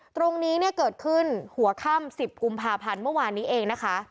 ตรงนี้เนี่ยเกิดขึ้นหัวค่ำ๑๐กุมภาพันธ์เมื่อวานนี้เองนะคะ